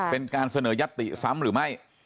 เป็นการเสนอยัตติซ้ำหรือไม่